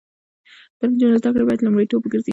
د نجونو زده کړې باید لومړیتوب وګرځي.